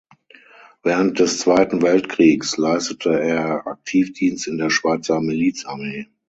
Während des Zweiten Weltkriegs leistete er Aktivdienst in der Schweizer Milizarmee.